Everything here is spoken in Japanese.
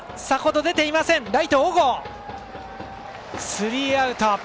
スリーアウト。